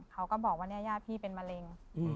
เขาก็บอกว่าเนี่ยญาติพี่เป็นมะเร็ง